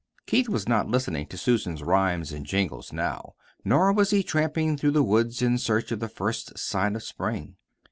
Keith was not listening to Susan's rhymes and jingles now, nor was he tramping through the woods in search of the first sign of spring.